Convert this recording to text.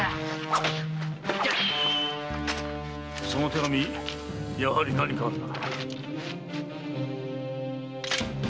その手紙やはり何かあるな。